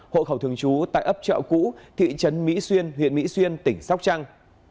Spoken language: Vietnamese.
hộ khẩu thường trú tại ấp chợ cũ thị trấn mỹ xuyên huyện mỹ xuyên tỉnh sóc trăng